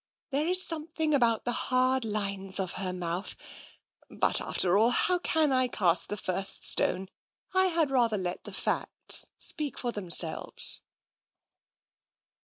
There is something about the hard lines of her mouth — but after all, how can I cast the first stone? I had rather let the facts speak for themselves."